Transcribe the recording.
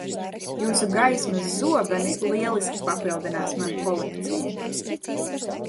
Jūsu gaismas zobeni lieliski papildinās manu kolekciju.